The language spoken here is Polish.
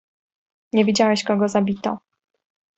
"Nie widziałeś, kogo zabito."